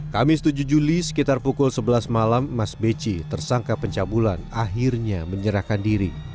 kamis tujuh juli sekitar pukul sebelas malam mas beci tersangka pencabulan akhirnya menyerahkan diri